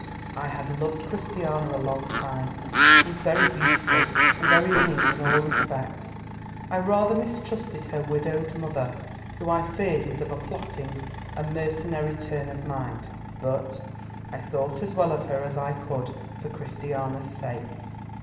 I had loved Christiana a long time. She was very beautiful, and very winning in all respects. I rather mistrusted her widowed mother, who I feared was of a plotting and mercenary turn of mind; but, I thought as well of her as I could, for Christiana's sake.